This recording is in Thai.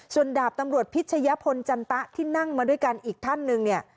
ส่วนดาบตำรวจพิชยพลจันตะที่นั่งมาด้วยกันอีกท่านหนึ่งเนี่ย